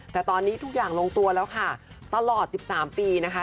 แต่ตอนนี้ทุกอย่างลงตัวแล้วค่ะตลอด๑๓ปีนะคะ